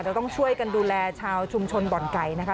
เราต้องช่วยกันดูแลชาวชุมชนบ่อนไก่นะคะ